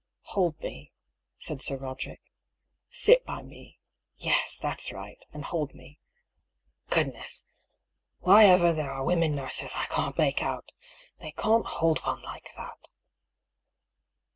" Hold me," said Sir Roderick. " Sit by me. Yes, that's right ; and hold me. Goodness ! why ever there are women nurses I can't make out ! They can't hold one like that